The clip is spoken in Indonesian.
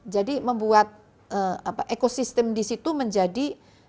jadi membuat ekosistem disitu menjadi